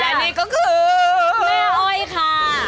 และนี่ก็คือแม่อ้อยค่ะ